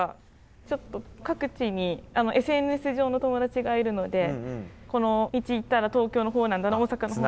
ちょっと各地にＳＮＳ上の友達がいるのでこの道行ったら東京のほうなんだな大阪のほう。